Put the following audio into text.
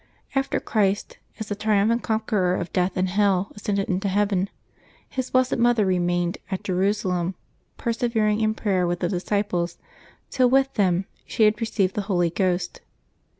After Christ, as the triumphant Conqueror of death and hell, ascended into heaven. His blessed Mother remained at Jerusalem, persevering in prayer with the disciples, till, with them, she had received the Holy Ghost.